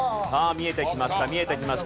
見えてきました。